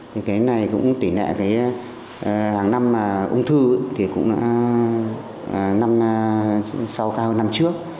cái này cũng tỷ lệ hàng năm ung thư thì cũng đã năm sau ca hơn năm trước